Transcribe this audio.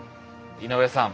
井上さん